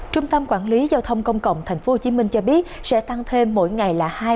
trung tâm quản lý giao thông công cộng thành phố hồ chí minh cho biết sẽ tăng thêm mỗi ngày